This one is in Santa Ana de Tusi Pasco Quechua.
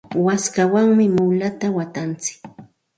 waskawanmi mulata watantsik.